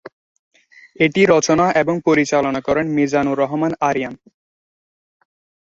এটি রচনা এবং পরিচালনা করেন মিজানুর রহমান আরিয়ান।